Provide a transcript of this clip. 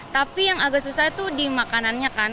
tapi yang agak susah itu di makanannya kan